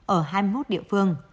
ở hai mươi một địa phương